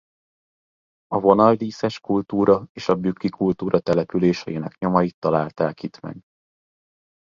A vonaldíszes kultúra és a bükki kultúra településeinek nyomait találták itt meg.